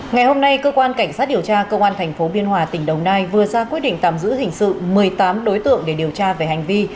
ngày hôm nay cơ quan cảnh sát điều tra công an tp biên hòa tỉnh đồng nai vừa ra quyết định tạm giữ hình sự một mươi tám đối tượng để điều tra về hành vi